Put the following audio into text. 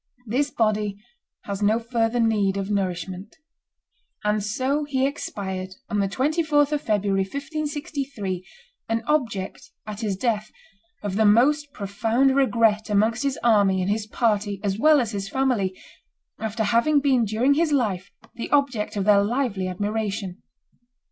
This body has no further need of nourishment;" and so he expired on the 24th of February, 1563, an object, at his death, of the most profound regret amongst his army and his party, as well as his family, after having been during his life the object of their lively admiration.